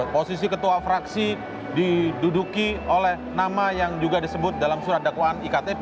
posisi ketua fraksi diduduki oleh nama yang juga disebut dalam surat dakwaan iktp